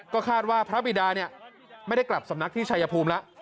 ก็คาดว่าพระบิดาไม่ได้กลับสำนักที่ชายภูมิแล้ว